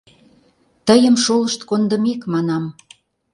Тыйым шолышт кондымек, манам.